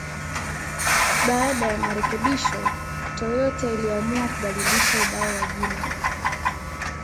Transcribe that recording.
Baada ya marekebisho, Toyota iliamua kubadilisha ubao wa jina.